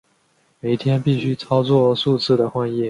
每天必须操作数次的换液。